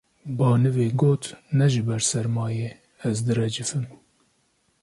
Baniwê got: Ne ji ber sermayê ez direcifim